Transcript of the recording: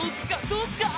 どうっすか？